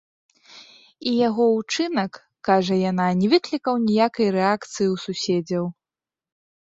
І яго ўчынак, кажа яна, не выклікаў ніякай рэакцыі ў суседзяў.